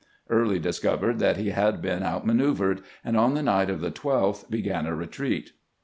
Early discovered that he had been out manoeuvered, and on the night of the 12th began a retreat.